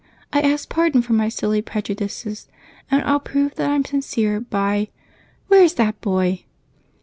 I ask pardon for my silly prejudices, and I'll prove that I'm sincere by where's that boy?"